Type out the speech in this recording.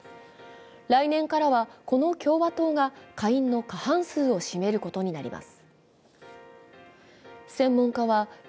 来年からは、この共和党が下院の過半数を占めることになります。